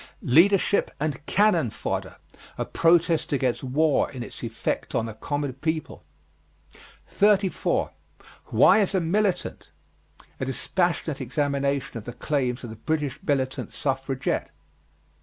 Leadership and "cannon fodder" a protest against war in its effect on the common people. 34. WHY IS A MILITANT? A dispassionate examination of the claims of the British militant suffragette.